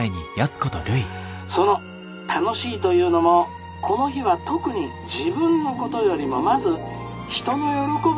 その楽しいというのもこの日は特に自分のことよりもまず人の喜ぶ